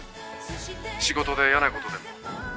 仕事で嫌なことでも？